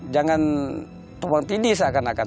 jangan tumbang pilih seakan akan